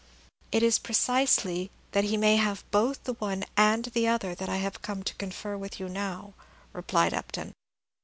"It is precisely that he may have both the one and the other that I have come to confer with you now," replied Upton.